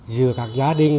giữa các gia đình